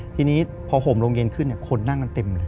ทีนี้พอห่มโรงเย็นขึ้นคนนั่งกันเต็มเลย